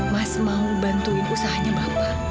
mas mau bantuin usahanya bapak